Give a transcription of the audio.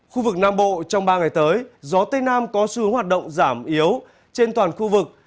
khu vực nam bộ trong ba ngày tới gió tây nam có xu hướng hoạt động giảm yếu trên toàn khu vực